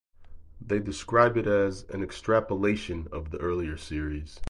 They describe it as an "extrapolation" of the earlier series.